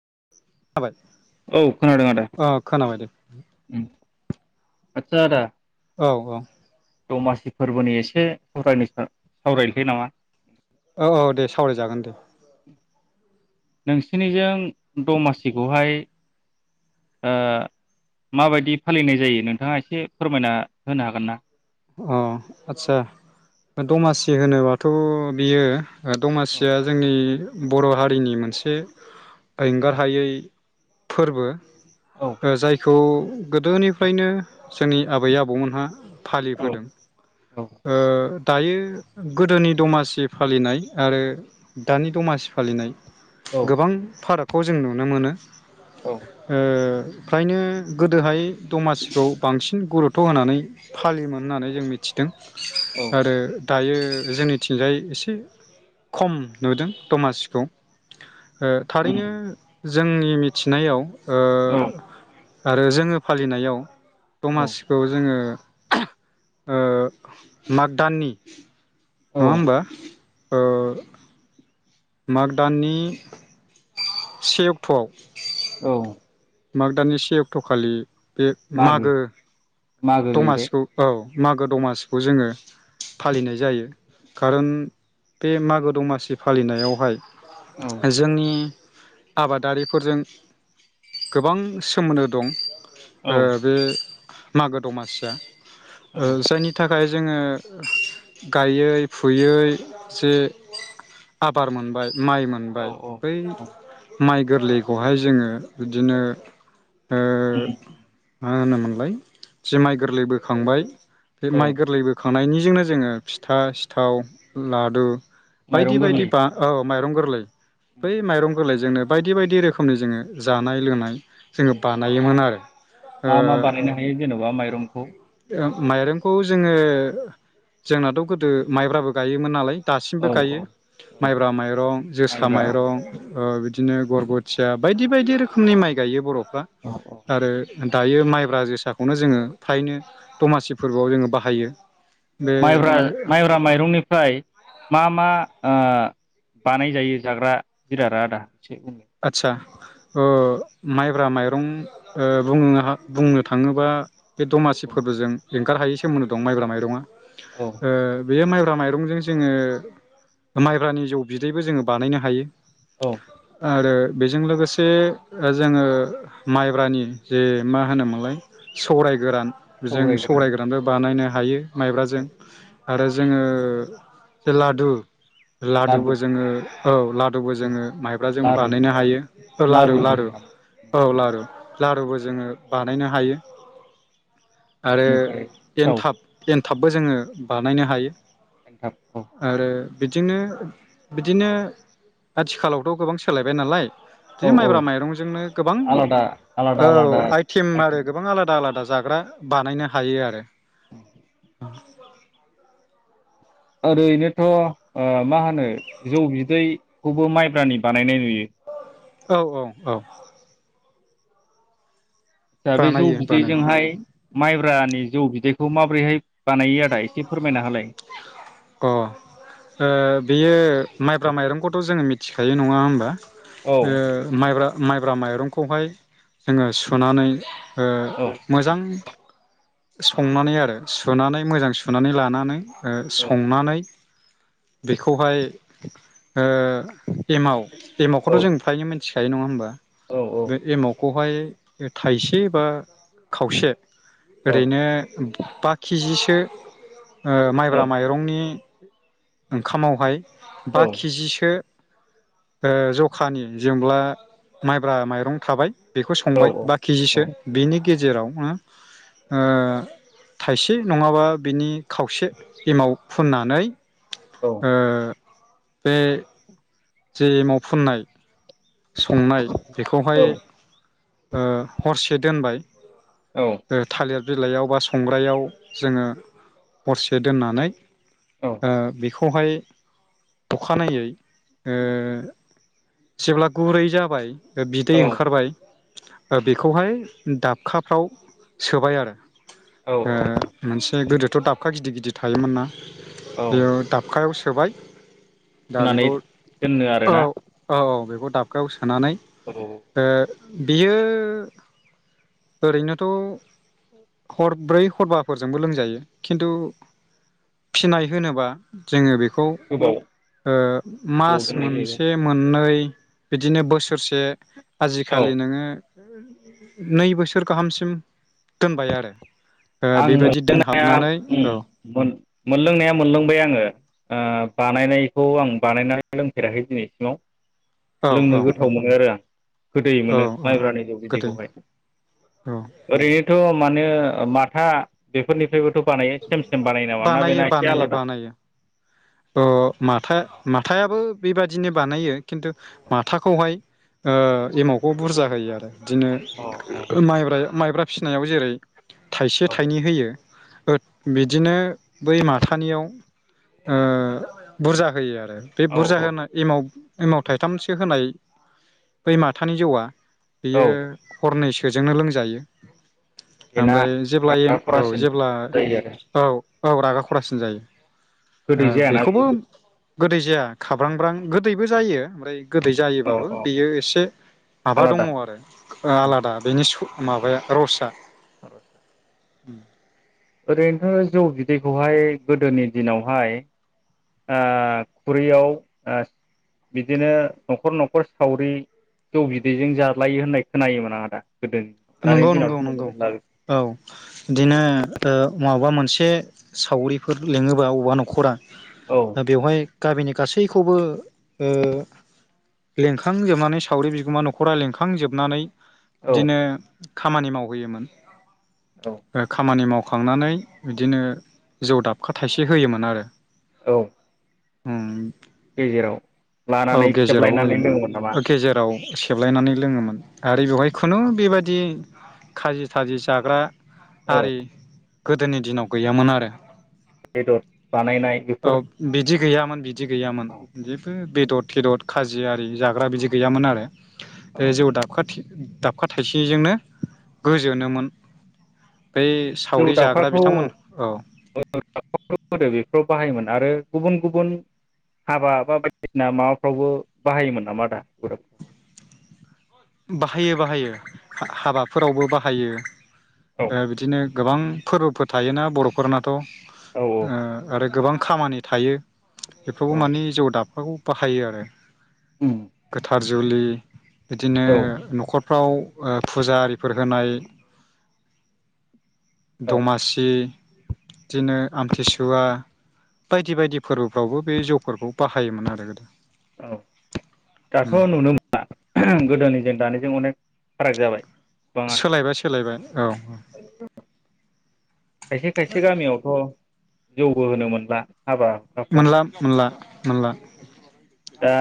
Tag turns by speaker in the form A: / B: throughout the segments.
A: [inaudible] खोनाबाय
B: औ खोनादों आदा
A: अ खोनाबाय दे।
B: आतसा आदा
A: औ औ
B: दमासि फोरबोनि एसे सावरायनो सा सावरायनसै नामा?
A: औ औ दे सावरायजागोन दे।
B: नोंसिनिजों दमासिखौहाय ओ माबायदि फालिनाय जायो नोंथाङा एसे फोरमायना होनो हागोन ना?
A: अ आदसा दमासि होनोबाथ' बियो ओ
B: औ
A: दमासिया जोंनि बर' हारिनि मोनसे
B: औ
A: एंगारहायै फोरबो ओ जायखौ गोदोनिफ्रायनो जोंनि आबै आबौमोनहा फालि
B: औ
A: बोदों ओ दायो गोदोनि दमासि फालिनाय आरो दानि दमासि फालिनाय
B: औ
A: गोबां फाराग ख' जों नुनो मोनो।
B: औ
A: ओ फ्रायनो गोदोहाय दमासिखौ बांसिन गुरुतथ' होनानै फालियोमोन। होननानै जों मिथिदों।
B: औ
A: आरो दायो जोंनिथिंजाय एसे खम नुदों दमासिखौ ओ
B: उम
A: थारैनो जोंनि मिथिनायाव ओ
B: औ
A: आरो जोङो फालिनायाव
B: औ
A: दमासिखौ जोङो ओ माग दाननि
B: औ
A: नङा होमबा ओ माग दाननि से अक्ट'आव
B: औ
A: माग दानि से अक्ट'खालि बे मागो
B: मागो जाहैबाय
A: दमासिखौ औ मागो दमासिखौ जोङो फालिनाय जायो खारन बे मागो दमासि फालिनायावहाय
B: औ
A: जोंनि आबादारिफोरजों गोबां सोमोनदो दं
B: औ
A: ओ बे मागो दमासिया ओ जायनि थाखाय जोङो गायै फुयै जे आबार मोनबाय माइ
B: औ
A: मोनबाय
B: औ
A: बै माइ गोरलैखौहाय जोङो बिदिनो
B: उ उ
A: लाय जुमाइ गोरलै बोखांबाय बे
B: औ
A: माइ गोरलैबो खांनायनिजोंनो जोङो फिथा सिथाव लादु बायदि
B: माइरं
A: बायदि
B: गोरलै
A: बा औ माइरं गोरलै बै माइरंगोरलै जोंनो बायदि बायदि रोखोमनि जोङो जानाय लोंनाय जोङो बानायोमोन आरो ओ
B: मा मा बानायनो हायो जेन'बा माइरं खौ
A: ओ माइरंखौ जोङो जोंनाथ' गोदो माइब्राबो गायोमोन नालाय दासिमबो
B: औ
A: गायो
B: औ औ
A: माइब्रा माइरं जोसा
B: माइब्रा
A: माइरं ओ बिदिनो गरग'थिया बायदि बायदि रोखोमनि माइ गायो बर' फोरा
B: औ
A: आरो दायो माइब्रा जोसाखौनो जोङो फ्रायनो दमासि फोरबोआव जोङो बाहायो बे
B: माइब्रा माइब्रा माइरंनिफ्राय मा मा आ बानायजायो जाग्रा जिराद आदा
A: आतसा ओ माइब्रा माइरं ओ बुं बुंनो थाङोबा बे दमासि फोरबोजों एंगारहायै सोमोनदो दं माइब्रा माइरङा
B: औ
A: ओ बेयो माइब्रा माइरंजों जोङो माइब्रानि जौ बिदैबो जोङो बानायनो हायो
B: औ
A: आरो बेजों लोगोसे जोङो माइब्रानि जे मा होनोमोनलाय सौराय गोरान बेजों
B: सौरायजों
A: सौरायगोरानबो बानायनो हायो माइब्राजों आरो जोङो लादु लादुबो
B: लारु
A: जोङो औ लादुबो जोङो माइ जों
B: लारु
A: बानायनो हायो लारु लारु औ लारु लारुबो जोङो बानायनो हायो आरो
B: बेनिफ्राय सिथाव
A: एनथाब एन थाबबो जोङो बानायनो हायो
B: एनथाब ओ
A: आरो बिदिनो बिदिनो आथिखालाव थ' गोबां सोलायबाय नालाय
B: औ
A: बिदिनो
B: औ
A: माइब्रा माइरंजोंनो गोबां
B: आलादा आलादा
A: औ
B: आलादा
A: आइटेम आरो गोबां आलादा आलादा जाग्रा बानायनो हायो आरो [unintelligible]
B: ओरैनोथ' ओ मा होनो जौ बिदैखौबो माइब्रानि बानायनाय नुयो
A: औ औ औ
B: दा बे जौ
A: बानायो बानायो
B: बिदैजोंहाय माइब्रानि जौ बिदैखौ माबोरैहाय बानायो आदा एसे फोरमायना होलाय
A: अ ओ बेयो माइब्रा माइरंखौ थ' जोङो मिथिखायो नङा होमबा
B: औ
A: ओ माइब्रा माइब्रा माइरंखौहाय जोङो सुनानै ओ
B: औ
A: मोजां संनानै आरो सुनानै मोजां सुनानै लानानै ओ संनानै बेखौहाय ओ एमाव एमावखौथ'
B: औ
A: जों फ्रायनो मोन थिखायो नङा होमबा
B: औ औ
A: बे एमाव खौहाय थाइसे बा खावसे
B: औ-औ-औ-औ-औ-औ-औ-औ-औ-औ
A: ओरैनो बा किजिसो ओ माइब्रा नि ओंखामावहाय बा किजिसो ओ जखानि जोंब्ला माइब्रा माइरं थाबाय बेखौ संबाय बा किजिसो बिनि गेजेराव आ ओ थाइसे नङाबा बिनि खावसे एमाव फुननानै ओ बे जे एमाव फुननाय संनाय बेखौहाय ओ हरसे दोनबाय ओ थालेर बिलाइयाव बा संग्रायाव जोङो हरसे दोननानै ओ बेख खौहाय अखानायै ओ जेब्ला गुरै जाबाय ओ बिदै ओंखारबाय ओ बेखौहाय दाबखाफ्राव सोबाय आरो। ओ मोनसे गोदोथ' दाबखा गिदि गि दि थायोमोन ना बेयाव दाबखायाव सोबाय दा
B: फिनानै
A: बेखौ
B: दोनो आरोना
A: औ औ बे [unintelligible] गावस थानानै
B: औ
A: ओ बियो ओरैनोथ' हरब्रै हरबाफोरजोंबो लोंजायो खिन्थु फिनाय होनोबा जोङो बेखौ खौ
B: गोबाव
A: ओ
B: गोबाव
A: मास
B: दोननाय जायो
A: मोनसे मोननै [unintelligible] बिदिनो बोसोरसे
B: औ
A: आजिखालि नोङो नै बोसोर गाहामसिम दोनबाय आरो ओ
B: आं
A: बेबायदि
B: मोनलोंनाया
A: दोनहाबनानै औ
B: मोनलोंनाया मोनलोंबाय आङो बानायनायखौ आं बानायनानै लोंफेराखै दिनैसिमाव
A: औ औ
B: लोंनो गोथाव मोनो आरो आं गोदै
A: औ
B: मोनो
A: औ
B: माइब्रा नि जौ बि
A: गोदै
B: दैैखौहाय
A: औ
B: ओरैनोथ' माने [unintelligible] खोथा बेफोरनि बोथ' बानायो सेम सेम बानायो नामा ना बेना एसे
A: बानायो
B: आलादा
A: बानायो अ माथा माथायाबो बेबादिनो बानायो खिन्थु माथाखौहाय ओ एमावखौ बुरजा होयो आरो बिदिनो
B: अ
A: माइब्राया माइब्रा फिनायाव जेरै थाइसे
B: अ
A: थाइनै होयो बिदिनो बै माथानियाव ओ बुरजा होयो आरो बे
B: औ
A: बुरजा
B: औ
A: होना एमाव एमाव थाइथामसो होनाय बै माथानि जौआ
B: औ
A: बेयो हरनैसो बेजोंनो लोंजायो
B: बेना
A: ओमफ्राय जेब्ला एम औ
B: खरासिन
A: जेब्ला
B: जायो आरो
A: औ औ रागा खरासिन जायो
B: गोदै जायाना
A: बेखौबो
B: बेयो
A: गोदै जाया खाब्रांब्रां गोदैबो जायो ओमफ्राय गोदै
B: औ
A: जायोबाबो
B: औ औ
A: बेयो एसे माबा
B: आलादा
A: दङ आरो आलादा बेनि माबाया रसा
B: [unintelligible]
A: उम
B: ओरैनोथ' जौ बिदैखौहाय गोदोनि दिनावहाय ओ खुरैयाव ओ बिदिनो न'खर न'खर सावरि जौ बिदैजों जालायो होननाय खोनायोमोन आं आदा गोदोनि दानि
A: नंगौ नंगौ
B: दिनावथ' नुनो
A: नंगौ
B: मोनला
A: औ बिदिनो ओ माबा मोनसे सावरिफोर लिङोबा अबेबा न'खरा
B: औ
A: दा बेवहाय गामिनि गासैखौबो ओ लेंखांजोबनानै सावरि बिगोमा न'खरा लेंखांजोबनानै
B: औ
A: इदिनो खामानि मावहैयोमोन।
B: औ
A: ओ खामानि माव खांनानै बिदिनो जौ दाबखा थाइसे होयोमोन आरो।
B: औ
A: उम
B: गेजेराव
A: औ
B: लानानै
A: गेजेराव
B: सेबलायनानै
A: होयोमोन
B: लोङोमोन नामा
A: ओ गेजेराव से सेबलायनानै लोङोमोन आरो बेवहाय खुनु बेबादि खाजि थाजि जाग्रा
B: औ
A: आरि गोदोनि दिनाव गैयामोन आरो।
B: बेदद बानायनाय
A: औ
B: बेफोर
A: बिदि गैयामोन बिद दि गैयामोन जेबो बेदद थेदद खाजि आरि जाग्रा बिदि गैयामोन आरो। बे
B: औ
A: जौ दाबखा थि दाबखा थाइसेजोंनो गोजोनोमोन। बै
B: जौ
A: सावरि जाग्रा
B: दाबखाखौ
A: बिथांमोन औ
B: [inaudible] बेफ्राव बाहायोमोन आरो गुबुन गुबुन हाबा बा बायदिसिना माबाफ्रावबो बाहायोमोन नामा दा [unintelligible]
A: बाहायो बाहायो हा-हाबाफोरावबो बाहायो।
B: औ
A: ओ बिदिनो गोबां फोरबोफोर थायोना बर'फोरनाथ' ओ
B: औ
A: आरो गोबां खामानि थायो एफ्रावबो
B: औ
A: मानि जौ दाबखाखौ बाहायो आरो। गोथार जुलि दिनो न'खरफ्राव ओ फुजा आरिफोर होनाय
B: औ
A: दमासि दिनो आमथिसुवा बायदि बायदि फोरबोफ्रावबो बे जौफोरखौ बाहायोमोन आरो गोदो।
B: औ दाथ'
A: उम
B: नुनो मोनला [unintelligible] गोदोनिजों दानिजों अनेक फाराग जाबाय गोबाङा
A: सोलायबाय सोलायबाय औ
B: खायसे खायसे गामियावथ' जौबो होनो मोनला हाबा हुखाफ्राव
A: मोनला मोनला मोनला [inaudible]
B: दा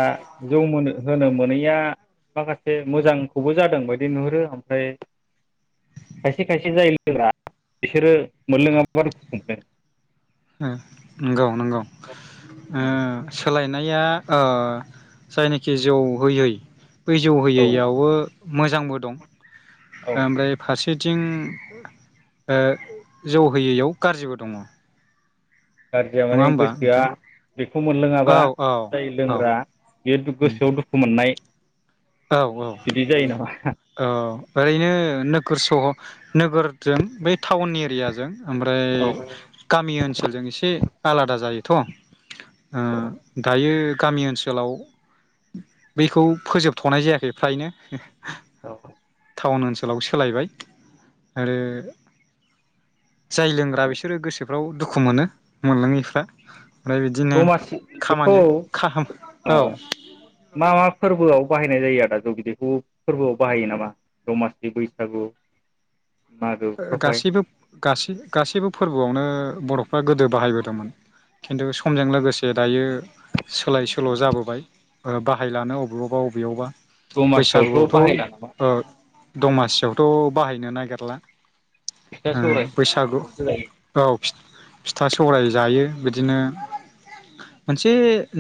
B: जौ मोनो होनो मोनैया माखासे मोजांखौबो जादों बायदि नुहुरो ओमफ्राय खायसे खायसे जायो लोंग्रा बिसोरो मोनलोङाबा दुखु मोनो
A: उम नोंगौ नोंगौ ओ सोलाय नाया ओ जायनाखि जौ होयै बै जौ
B: औ
A: होयैयावबो मोजांबो दं
B: औ
A: ओमफ्राय फारसे फारसेथिं ओ जौ होयैयाव गाज्रिबो दङ
B: गाज्रिया माने
A: नङा होमबा
B: गोसोआ
A: नोंथां
B: बेखौ
A: औ
B: मोनलोङाबा
A: औ
B: जाय
A: औ
B: लोंग्रा बे गोसोआव दुखु मोननाय
A: औ औ
B: बिदि जायो नामा
A: औ ओरैनो नोगोर सह नोगोरजों बै टाउन एरियाजों ओमफ्राय गामि ओनसोलजों एसे आलादा जायोथ' उम दायो गामि ओनसोलाव बैखौ फोजोब थ'नाय जायाखै फ्रायनो
B: औ औ
A: टाउन ओनसोलाव सोलायबाय आरो जाय लोंग्रा बिसोरो गोसो फ्राव दुखु मोनो मोनलाङैफ्रा
B: दमासि बेखौ
A: औ
B: मा मा फोरबोआव बाहाय नाय जायो आरो दा जौ बिदैखौ फोरबोआव बाहायो नामा दमासि बैसागु मागोफ्रावहाय
A: गासैबो गासै गासैबो फोरबोआवनो बर' ए बा गोदो बाहायबोदोंमोन खिन्थु समजों लोगोसे दायो सोलाय सोल' जाबोबाय बाहायलानो ओ अबेयावबा बबेयावबा
B: दमासियावथ' बाहायला नामा
A: दमासियावथ' बाहायनो नागिरला
B: फिथा सौरायसो
A: बैसागु
B: जायो
A: औ फिथा सौराय जायो बिदिनो मोनसे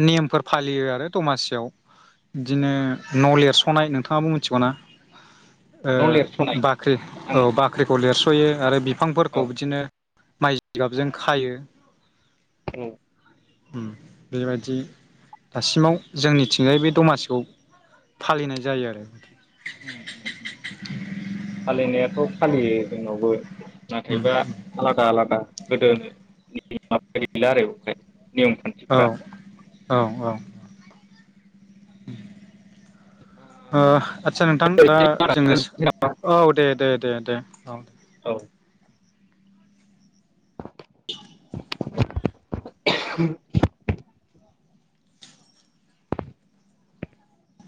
A: नेमफोर फालियो आरो दमासियाव इदिनो नलेज सनाय नोंथाङाबो मिथिगौ ना? ओ
B: न' लिरस'नाय
A: बाख्रि औ
B: आं
A: बाख्रि लेरस'यो आरो बि
B: औ
A: बिफांफोरखौ बिदिनो माइ जिगाबजों खायो।
B: औ
A: बेबायदि दासिमाव जोंनिथिंजाय बे दमासिखौ फालिनाय जायो आरो।
B: फालिनायाथ' फा फालियो जोंनावबो
A: उम
B: नाथायबा आलादा आलादा गोदो [inaudible] आरो उमफाय नियम
A: औ
B: खान्थिफ्रा
A: औ औ उम ओ आदसा नोंथां दा जोङो सो औ दे दे। दे दे अ।
B: [inaudible]
A: [inaudible]
B: [inaudible]